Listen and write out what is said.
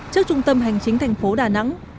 trước trung tâm hành chính thành phố đà nẵng